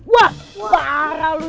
wah parah lu ya